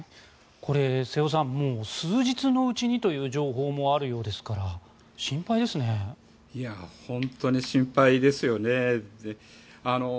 これ、瀬尾さん数日のうちにという情報もあるようですから本当に心配ですよね。